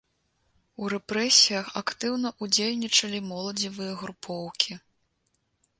У рэпрэсіях актыўна ўдзельнічалі моладзевыя групоўкі.